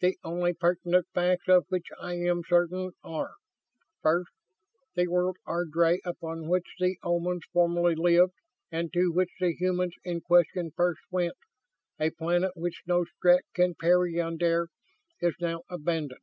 "The only pertinent facts of which I am certain are: First, the world Ardry, upon which the Omans formerly lived and to which the humans in question first went a planet which no Strett can peyondire is now abandoned.